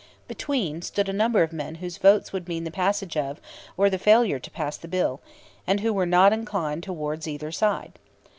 Between stood a number of men whose votes would mean the passage of, or the failure to pass, the bill, and who were not inclined towards either side.